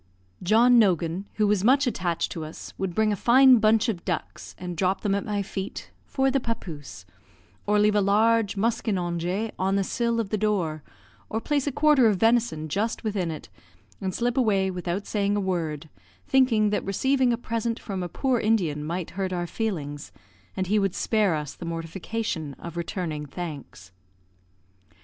John Nogan, who was much attached to us, would bring a fine bunch of ducks, and drop them at my feet "for the papouse," or leave a large muskinonge on the sill of the door, or place a quarter of venison just within it, and slip away without saying a word, thinking that receiving a present from a poor Indian might hurt our feelings, and he would spare us the mortification of returning thanks.